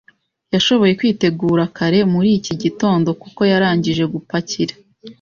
Yashoboye kwitegura kare muri iki gitondo, kuko yarangije gupakira.